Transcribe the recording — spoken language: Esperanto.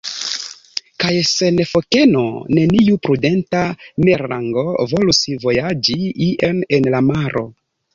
Kaj sen fokeno neniu prudenta merlango volus vojaĝi ien en la maro.